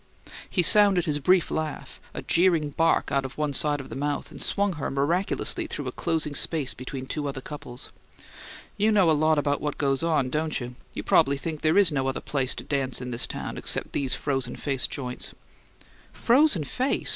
He sounded his brief laugh, a jeering bark out of one side of the mouth, and swung her miraculously through a closing space between two other couples. "You know a lot about what goes on, don't you? You prob'ly think there's no other place to dance in this town except these frozen face joints." "'Frozen face?'"